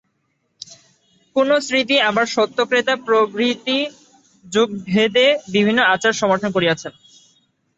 কোন স্মৃতি আবার সত্য-ত্রেতা প্রভৃতি যুগভেদে বিভিন্ন আচার সমর্থন করিয়াছেন।